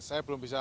saya belum bisa